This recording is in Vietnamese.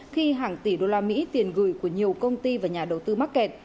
khi hàng tỷ đô la mỹ tiền gửi của nhiều công ty và nhà đầu tư mắc kẹt